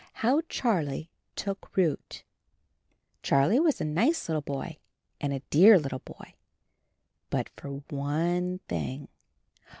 HOW CHARLIE TOOK ROOT C HARLIE was a nice little boy and a dear little boy — but for one thing.